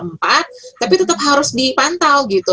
tapi tetap harus dipantau gitu